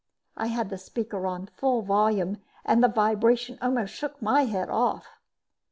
I had the speaker on full volume and the vibration almost shook my head off.